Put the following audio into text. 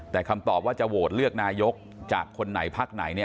แต่คำตอบว่าจะโหวตเลือกนายกจากคนไหนพักไหนเนี่ย